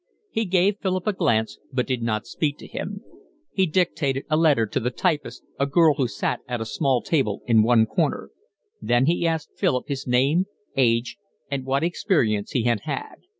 He gave Philip a glance but did not speak to him; he dictated a letter to the typist, a girl who sat at a small table in one corner; then he asked Philip his name, age, and what experience he had had.